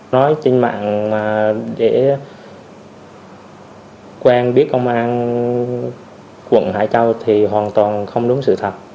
nói trên mạng để quen biết công an quận hải châu thì hoàn toàn không đúng sự thật